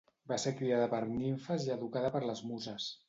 Va ser criada per nimfes i educada per les Muses.